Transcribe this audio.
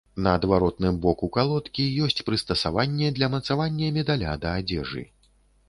На адваротным боку калодкі ёсць прыстасаванне для мацавання медаля да адзежы.